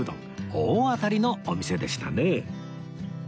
大当たりのお店でしたね